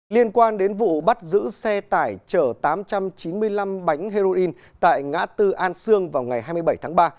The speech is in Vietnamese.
liên quan đến vụ bắt giữ xe tải chở tám trăm chín mươi năm bánh heroin tại ngã tư an sương vào ngày hai mươi bảy tháng ba